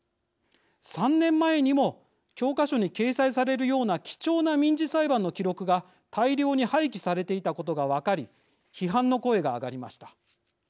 ３年前にも教科書に掲載されるような貴重な民事裁判の記録が大量に廃棄されていたことが分かり批判の声が上がりました。